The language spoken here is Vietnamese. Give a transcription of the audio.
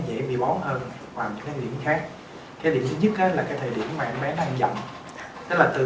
dễ bị bó hơn hoặc những cái điểm khác cái điểm thứ nhất là cái thời điểm mà em bé đang dặn đó là từ